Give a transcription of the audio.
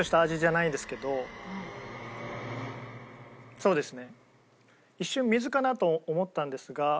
そうですね。